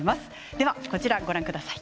ではこちらご覧ください。